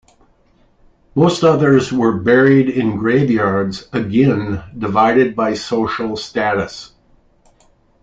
Most others were buried in graveyards again divided by social status.